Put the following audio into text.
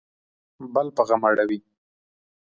بل په غم اړوي